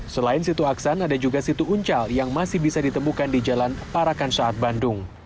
selain situ aksan ada juga situ uncal yang masih bisa ditemukan di jalan parakan saat bandung